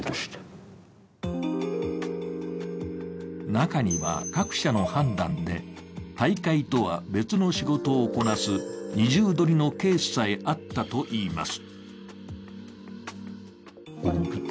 中には各社の判断で大会とは別の仕事をこなす二重取りのケースさえあったといいます。